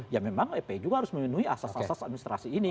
ya memang epi juga harus memenuhi asas asas administrasi ini